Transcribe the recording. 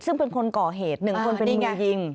ซึ่งเป็นคนก่อเหตุ๑คนเป็นมือยิง